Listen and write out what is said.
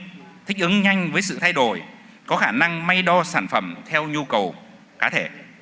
chúng ta thông minh thích ứng nhanh với sự thay đổi có khả năng may đo sản phẩm theo nhu cầu cá thể